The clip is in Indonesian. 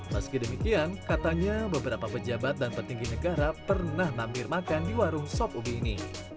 meski demikian katanya beberapa pejabat dan petinggi negara pernah mampir makan di warung sop ubi ini